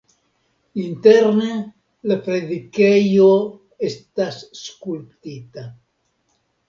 Interne la predikejo estas skulptita.